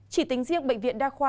chỉ tính riêng bệnh viện đa khoa